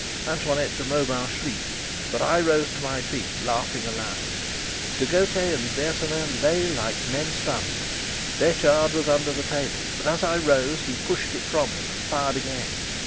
Antoinette de Mauban shrieked, but I rose to my feet, laughing aloud. De Gautet and Bersonin lay like men stunned. Detchard was under the table, but, as I rose, he pushed it from him and fired again.